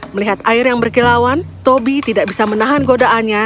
melihat air yang berkilauan tobi tidak bisa menahan godaannya